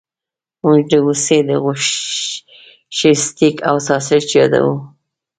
موږ د هوسۍ د غوښې سټیک او ساسج یادوو